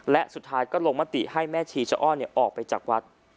และสุดท้ายก็ลงมติให้แม่ชีเจ้าอาวาสรูปออกไปจากวัด